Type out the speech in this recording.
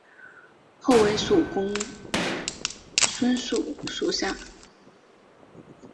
后为蜀公孙述属下。